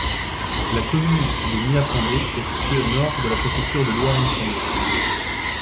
La commune de Mia-Pendé est située au nord de la préfecture de l’Ouham-Pendé.